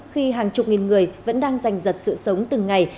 khi hàng chục nghìn người vẫn đang giành giật sự sống từng ngày